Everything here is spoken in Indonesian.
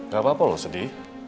gak apa apa loh sedih